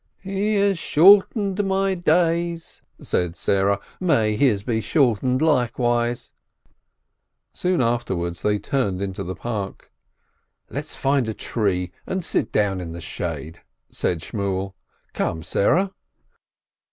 "He has shortened my days," said Sarah, "may his be shortened likewise." Soon afterwards they turned into the park. "Let us find a tree and sit down in the shade," said Shmuel. "Come, Sarah!"